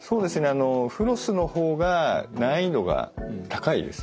あのフロスの方が難易度が高いです。